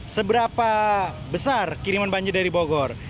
seberapa besar kiriman banjir dari bogor